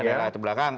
ada latar belakang